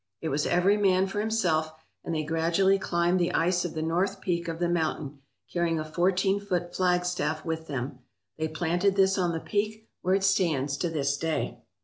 It was every man for himself, and they gradually climbed the ice of the north peak of the mountain, carrying a four teen foot flagstaff with them. They planted this on the peak where it stands to this day.